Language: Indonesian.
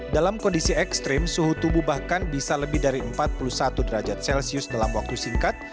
dalam kondisi ekstrim suhu tubuh bahkan bisa lebih dari empat puluh satu derajat celcius dalam waktu singkat